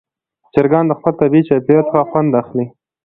چرګان د خپل طبیعي چاپېریال څخه خوند اخلي.